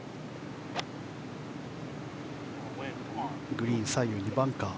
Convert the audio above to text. グリーン左右にバンカー。